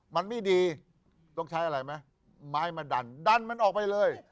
มันไม่ดีต้องใช้อะไรไหมไม้มาดันดันมันออกไปเลย